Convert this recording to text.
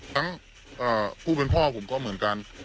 ทั้งผู้เป็นพ่อผมก็เหมือนกัน